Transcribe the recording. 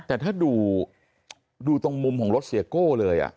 แต่ถ้าดูตรงมุมของรถเสียโก้เลย